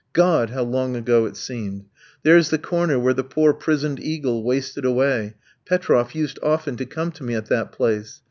God! how long ago it seemed. There's the corner where the poor prisoned eagle wasted away; Petroff used often to come to me at that place.